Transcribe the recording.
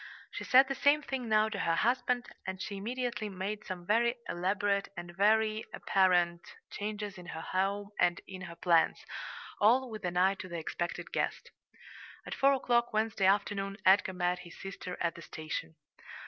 She said the same thing now to her husband, and she immediately made some very elaborate and very apparent changes in her home and in her plans, all with an eye to the expected guest. At four o'clock Wednesday afternoon Edgar met his sister at the station.